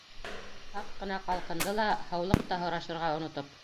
Һаҡ ҡына ҡалҡынды ла, һаулыҡта һорашырға онотоп: